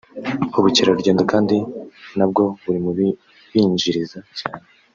ubukerarugendo kandi nabwo buri mu bibinjiriza cyane